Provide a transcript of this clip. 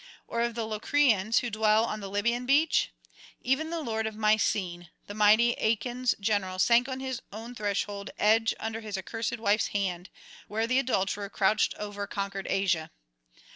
or of the Locrians who dwell on the Libyan beach? Even the lord of Mycenae, the mighty Achaeans' general, sank on his own threshold edge under his accursed wife's hand, where the adulterer crouched over conquered Asia.